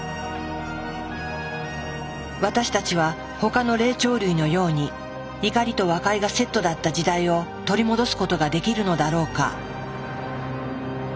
私たちは他の霊長類のように「怒りと和解」がセットだった時代を取り戻すことができるのだろうか。